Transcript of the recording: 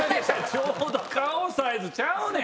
ちょうど顔サイズちゃうねん！